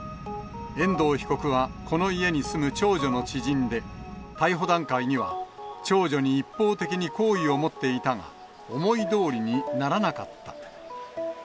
遠藤被告はこの家に住む長女の知人で、逮捕段階には長女に一方的に好意を持っていたが、思いどおりにならなかった。